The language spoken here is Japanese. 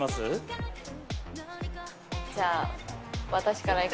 じゃあ。